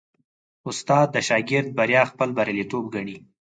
استاد د شاګرد بریا خپل بریالیتوب ګڼي.